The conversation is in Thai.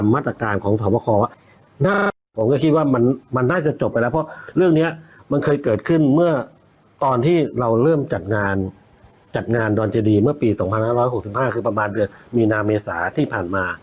เมื่อปี๒๕๖๕คือประมาณเมือนมีนาเมษาที่ผ่านมา